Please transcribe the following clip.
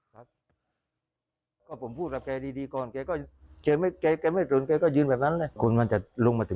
ถึงนี่เลยก็ขึ้นกับมะโห้ครับ